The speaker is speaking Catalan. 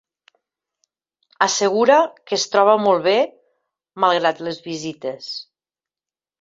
Assegura que es troba molt bé, malgrat les visites.